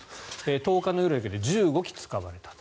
１０日の夜だけで１５機使われたと。